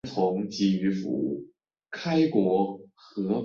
陈吉宁。